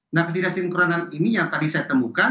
nah ketidaksinkronan ini yang tadi saya temukan